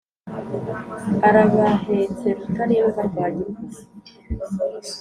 Arabahetse Rutarindwa, rwa Gikore